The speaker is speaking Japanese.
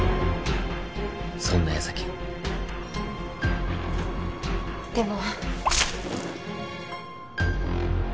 そんな矢先でも。